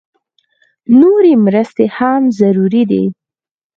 نورې مرستې هم ضروري دي